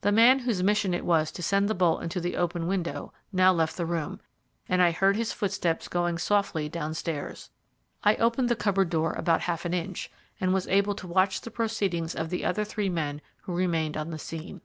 The man whose mission it was to send the bolt into the open window now left the room, and I heard his footsteps going softly downstairs. I opened the cupboard door about half an inch, and was able to watch the proceedings of the other three men who remained on the scene.